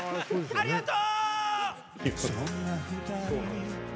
ありがとう！